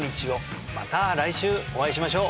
また来週お会いしましょう！